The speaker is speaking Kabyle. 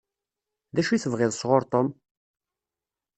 D acu i tebɣiḍ sɣur Tom?